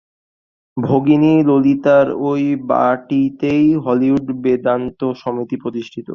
ভগিনী ললিতার ঐ বাটীতেই হলিউড বেদান্ত সমিতি প্রতিষ্ঠিত।